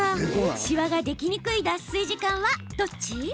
シワができにくい脱水時間はどっち？